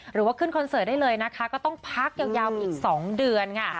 หรือว่าขึ้นคอนเสิร์ตได้เลยนะคะก็ต้องพักยาวไปอีก๒เดือนค่ะ